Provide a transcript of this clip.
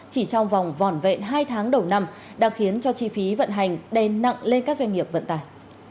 chỉ trong vòng vòn vẹn hai tháng đầu năm đã khiến cho chi phí vận hành đè nặng lên các doanh nghiệp vận tải